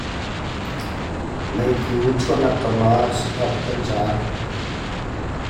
Meikhu chuahnak kam ah sapherh kan caar.